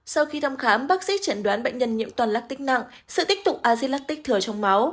sau khi thăm khám bác sĩ chẳng đoán bệnh nhân nhiễm toàn lactic nặng sự tích tụng azilactic thừa trong máu